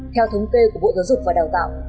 theo thống kê của bộ giáo dục và đào tạo